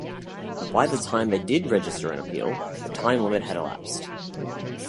But by the time they did register an appeal, the time limit had elapsed.